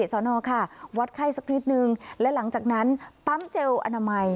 สอนอค่ะวัดไข้สักนิดนึงและหลังจากนั้นปั๊มเจลอนามัย